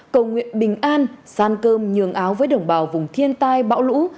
cầu nguyện bình an san cơm nhường áo với đồng bào vùng thiên tai bão lũ